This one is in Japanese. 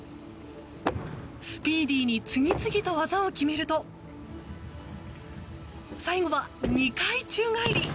スピーディーに次々と技を決めると最後は２回宙返り。